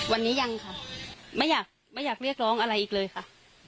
วันนี้ยังค่ะไม่อยากไม่อยากเรียกร้องอะไรอีกเลยค่ะ